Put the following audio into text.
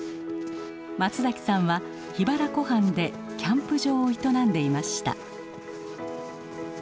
松さんは桧原湖畔でキャンプ場を営んでいました。